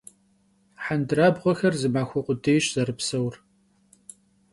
Hendırabğuexer zı maxue khuedêyş zerıpseur.